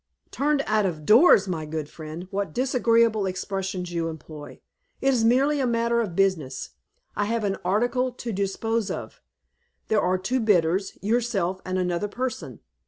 "Turned out of doors, my good friend! What disagreeable expressions you employ! It is merely a matter of business. I have an article to dispose of. There are two bidders; yourself and another person.